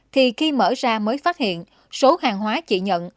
thì khi mở ra mới phát hiện số hàng hóa chỉ nhận